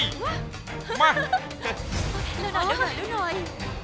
ดูหน่อย